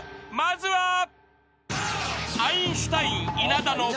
まずは］